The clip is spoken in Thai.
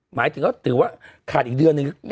หมายถึงก็ถือว่าขาดอีกเดือนนึง